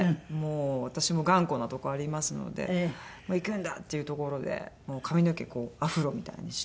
私も頑固なとこありますので行くんだ！っていうところで髪の毛こうアフロみたいにして。